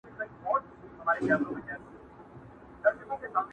يو لوى باز يې خوشي كړى وو هوا كي٫